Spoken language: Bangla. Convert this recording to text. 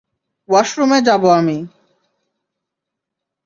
ওয়াশরুমে যাব আমি।